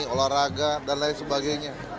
olahraga dan lain sebagainya